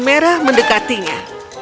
dia merah mendekatinya